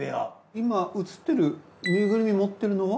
今映ってるぬいぐるみ持ってるのは？